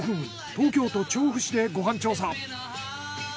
東京都調布市でご飯調査。